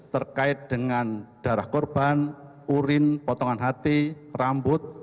terkait dengan darah korban urin potongan hati rambut